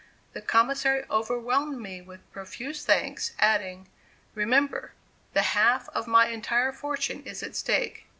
The Commissary overwhelmed me with profuse thanks, adding: "Remember, the half of my entire fortune is at stake."